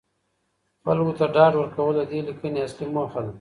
خلکو ته ډاډ ورکول د دې لیکنې اصلي موخه ده.